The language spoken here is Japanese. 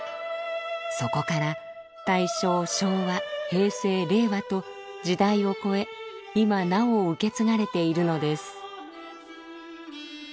そこから大正昭和平成令和と時代を超え今なお受け継がれているのです。